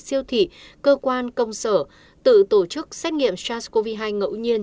siêu thị cơ quan công sở tự tổ chức xét nghiệm sars cov hai ngẫu nhiên